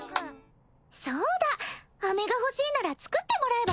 そうだアメが欲しいなら作ってもらえば？